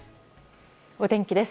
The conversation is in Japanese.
お天気です。